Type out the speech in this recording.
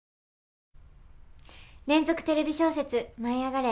連続テレビ小説「舞いあがれ！」